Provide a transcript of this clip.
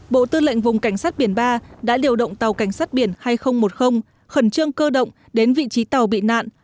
bộ tư lệnh vùng cảnh sát biển ba đã điều động tàu cảnh sát biển hai nghìn một mươi khẩn trương cơ động đến vị trí tàu bị nạn